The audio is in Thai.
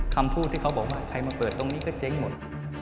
คำพูดที่เขาบอกว่าใครมาเปิดตรงนี้ก็เจ๊งหมด